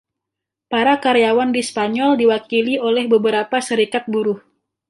Para karyawan di Spanyol diwakili oleh beberapa serikat buruh.